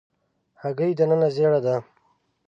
هګۍ دننه ژېړه ده.